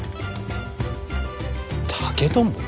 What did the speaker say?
竹とんぼ？